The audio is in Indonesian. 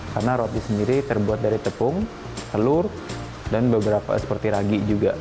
karena roti sendiri terbuat dari tepung telur dan beberapa seperti ragi juga